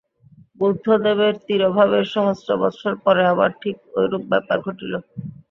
বুদ্ধদেবের তিরোভাবের সহস্র বৎসর পরে আবার ঠিক এইরূপ ব্যাপার ঘটিল।